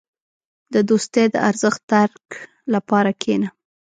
• د دوستۍ د ارزښت درک لپاره کښېنه.